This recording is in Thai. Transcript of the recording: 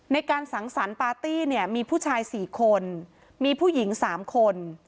ในการสังสรรค์ปาร์ตี้เนี่ยมีผู้ชาย๔คนมีผู้หญิง๓คน